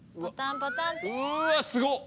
うーわっすごっ！